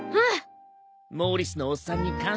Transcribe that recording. モーリスのおっさんに感謝だな。